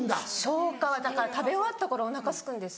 消化はだから食べ終わった頃お腹すくんです。